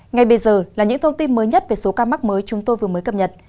ngay bây giờ là những thông tin mới nhất về số ca mắc mới chúng tôi vừa mới cập nhật